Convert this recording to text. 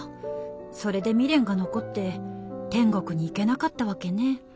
それで未練が残って天国に行けなかったわけね。